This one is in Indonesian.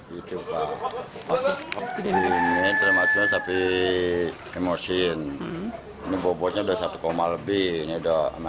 kotoran apa semua saya rapiin